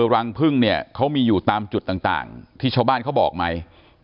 รังพึ่งเนี่ยเขามีอยู่ตามจุดต่างที่ชาวบ้านเขาบอกไหม